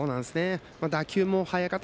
打球も速かった。